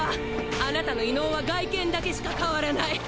あなたの異能は外見だけしか変わらない。